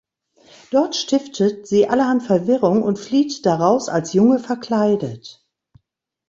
Dort stiftet sie allerhand Verwirrung und flieht daraus als Junge verkleidet.